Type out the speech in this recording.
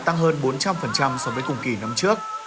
tăng hơn bốn trăm linh so với cùng kỳ năm trước